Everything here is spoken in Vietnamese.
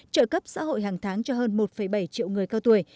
trợ cấp xã hội hàng tháng cho hơn một bảy triệu người cao tuổi